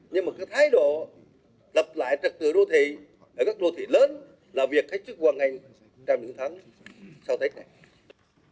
nhưng mà cái thái độ lập lại trật tựa đô thị ở các đô thị lớn là việc khách chức hoàn ngành trong những tháng sau tết này